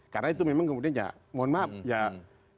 karena itu memang kemudian ya mohon maaf